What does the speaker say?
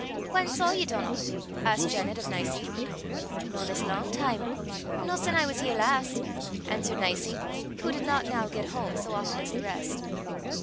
"Whan saw ye Donal?" asked Janet of Nicie. "No this lang time no sin I was here last," answered Nicie, who did not now get home so often as the rest.